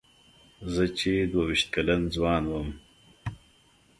زه چې دوه وېشت کلن ځوان وم.